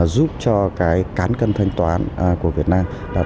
giúp cho cái cán cân thanh toán của việt nam